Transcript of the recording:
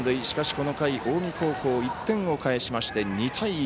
しかし、この回近江高校１点を返しまして２対１。